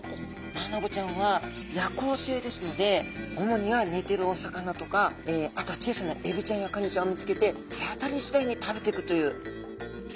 マアナゴちゃんは夜行性ですので主にはねてるお魚とかあとは小さなエビちゃんやカニちゃんを見つけて手当たりしだいに食べていくという。